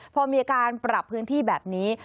พอมีการปรับพื้นที่แบบนี้